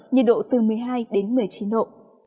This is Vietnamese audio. nhiệt độ từ một mươi hai đến một mươi chín độ